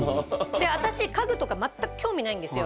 私家具とか全く興味ないんですよ